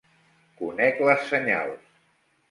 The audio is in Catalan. Conec les senyals.